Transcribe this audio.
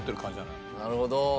なるほど。